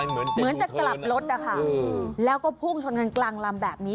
เหมือนจะกลับรถนะคะแล้วก็พุ่งชนกันกลางลำแบบนี้